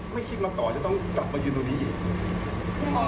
ไม่คิดมาก่อนจะต้องกลับมายืนตรงนี้อีก